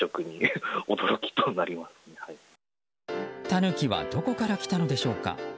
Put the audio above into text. タヌキはどこから来たのでしょうか。